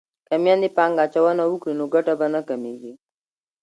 که میندې پانګه اچونه وکړي نو ګټه به نه کمیږي.